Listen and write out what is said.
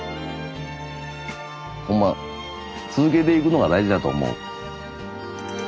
ほんま続けていくのが大事だと思う。